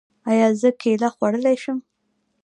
ایا زه کیله خوړلی شم؟